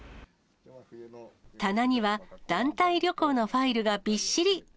棚には団体旅行のファイルがびっしり。